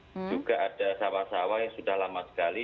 juga ada sawah sawah yang sudah lama sekali